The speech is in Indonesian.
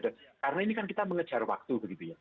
karena ini kan kita mengejar waktu